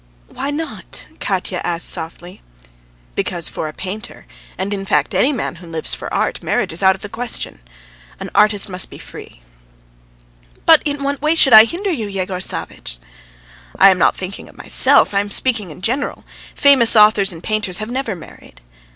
"Why not?" Katya asked softly. "Because for a painter, and in fact any man who lives for art, marriage is out of the question. An artist must be free." "But in what way should I hinder you, Yegor Savvitch?" "I am not speaking of myself, I am speaking in general. ... Famous authors and painters have never married."